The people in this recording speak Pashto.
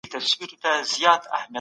څه شی د سخت درده وروسته اوښکي بهوي؟